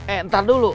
eh ntar dulu